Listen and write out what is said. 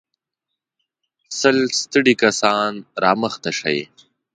سل ستړي کسان را مخته شئ.